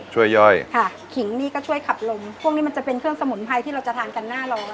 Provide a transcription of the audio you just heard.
ย่อยค่ะขิงนี่ก็ช่วยขับลมพวกนี้มันจะเป็นเครื่องสมุนไพรที่เราจะทานกันหน้าร้อน